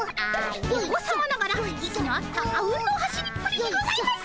お子さまながら息の合ったあうんの走りっぷりにございます！